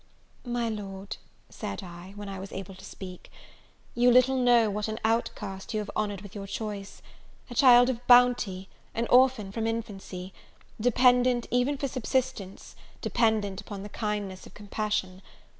"My Lord," said I, when I was able to speak, "you little know what an outcast you have honoured with your choice! a child of bounty, an orphan from infancy, dependant, even for subsistence, dependent, upon the kindness of compassion!